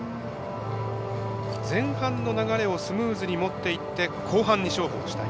前半の流れをスムーズにもっていって後半に勝負をしたい。